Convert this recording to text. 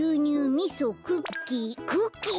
みそクッキークッキー？